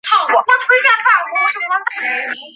鹅岛从东面与陆地隔开。